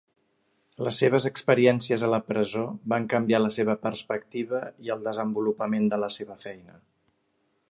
Les seves experiències a la presó van canviar la seva perspectiva i el desenvolupament de la seva feina.